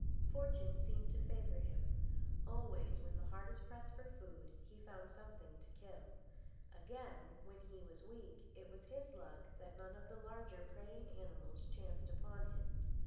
Fortune seemed to favour him. Always, when hardest pressed for food, he found something to kill. Again, when he was weak, it was his luck that none of the larger preying animals chanced upon him.